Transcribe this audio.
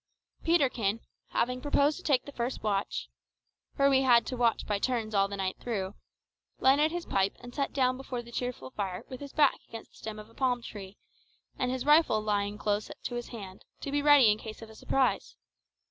Peterkin, having proposed to take the first watch for we had to watch by turns all the night through lighted his pipe and sat down before the cheerful fire with his back against the stem of a palm tree, and his rifle lying close to his hand, to be ready in case of a surprise.